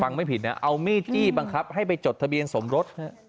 ไม่ผิดนะเอามีดจี้บังคับให้ไปจดทะเบียนสมรส